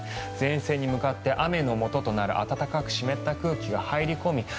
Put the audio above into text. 前線に向かって雨のもととなる暖かく湿った空気が入り込み